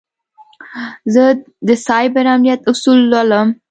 زه د سایبر امنیت اصول لولم.